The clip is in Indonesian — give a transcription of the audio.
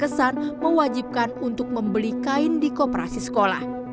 kesan mewajibkan untuk membeli kain di koperasi sekolah